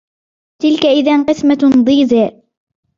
تِلْكَ إِذًا قِسْمَةٌ ضِيزَى